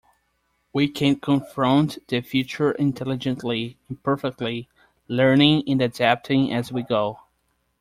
We can confront the future intelligently, imperfectly - learning and adapting as we go.